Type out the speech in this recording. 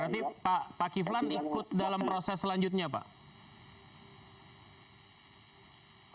berarti pak kiflan ikut dalam proses selanjutnya pak